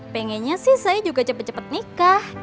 pengennya sih saya juga cepet cepet nikah